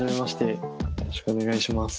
よろしくお願いします。